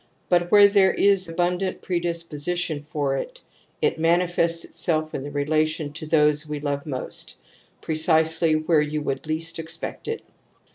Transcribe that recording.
But where there is abundant predisposition for it, it manifests itself in the relation to those we love most, precisely where you would least ex pect it.